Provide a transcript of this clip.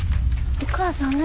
お母さん何？